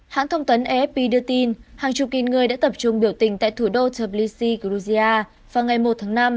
hãng thông tấn afp đưa tin hàng chục nghìn người đã tập trung biểu tình tại thủ đô toplysy georgia vào ngày một tháng năm